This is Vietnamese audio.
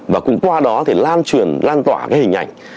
và cũng qua đó lan truyền lan tỏa hình ảnh